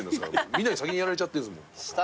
みんなに先にやられちゃってんですもん。